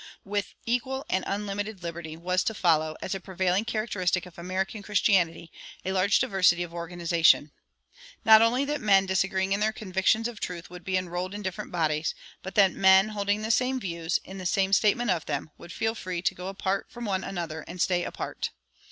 With equal and unlimited liberty, was to follow, as a prevailing characteristic of American Christianity, a large diversity of organization. Not only that men disagreeing in their convictions of truth would be enrolled in different bodies, but that men holding the same views, in the same statement of them, would feel free to go apart from one another, and stay apart.